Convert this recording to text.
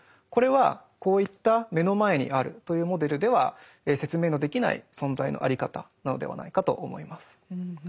これはこういった目の前にあるというモデルでは説明のできない存在のあり方なのではないかと思います。